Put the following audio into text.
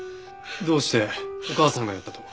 どうしてお母さんがやったと？